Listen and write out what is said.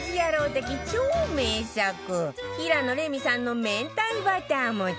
的超名作平野レミさんの明太バター餅